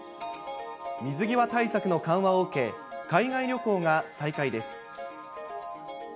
水際対策の緩和を受け、海外旅行が再開です。